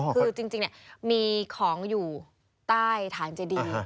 คือจริงมีของอยู่ใต้ฐานเจดี